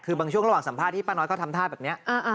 คือบางช่วงระหว่างสัมภาษณ์ป้าน้อยเขาทำท่าแบบนี้